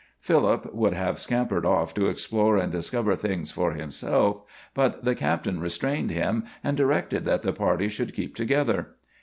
Philip would have scampered off to explore and discover things for himself, but the captain restrained him and directed that the party should keep together.